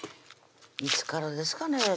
いつからですかね？